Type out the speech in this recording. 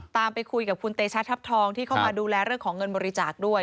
ไปคุยกับคุณเตชะทัพทองที่เข้ามาดูแลเรื่องของเงินบริจาคด้วย